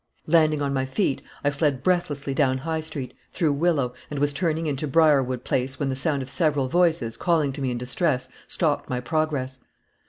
Landing on my feet, I fled breathlessly down High Street, through Willow, and was turning into Brierwood Place when the sound of several voices, calling to me in distress, stopped my progress.